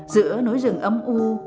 giữa nối rừng ấm u